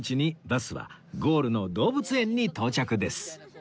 バスはゴールの動物園に到着です